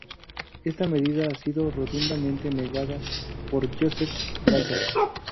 Esta medida ha sido rotundamente negada por Joseph Blatter.